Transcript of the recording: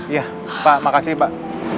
iya pak makasih pak